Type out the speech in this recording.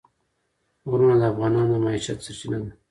غرونه د افغانانو د معیشت سرچینه ده.